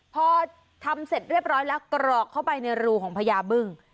พอทำเสร็จเรียบร้อยแล้วกรอกเข้าไปในรูของพญาบึ้ง